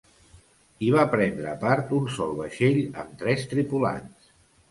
Hi va prendre part un sol vaixell amb tres tripulants.